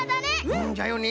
うんじゃよね。